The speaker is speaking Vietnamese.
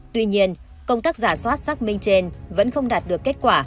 tuy nhiên công tác giả soát xác minh trên vẫn không đạt được kết quả